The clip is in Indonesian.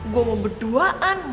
gue mau berduaan